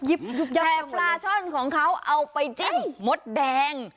แต่ปลาช่อนของเขาเอาไปจิ้มมดแดง